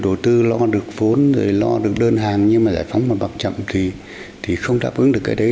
nếu đối tư lo được vốn lo được đơn hàng nhưng mà giải phóng mật bằng chậm thì không đáp ứng được cái đấy